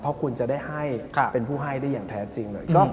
เพราะคุณจะได้ให้เป็นผู้ให้ได้อย่างแท้จริงหน่อย